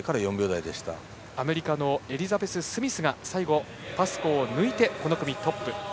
アメリカのエリザベス・スミスが最後、パスコーを抜いてこの組トップ。